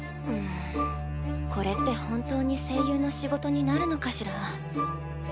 うんこれって本当に声優の仕事になるのかしら？